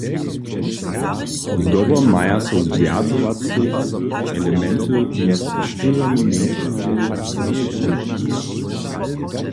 Zdobom maja so zwjazowace elementy mjez štyrjomi mjeńšinami wuzběhnyć.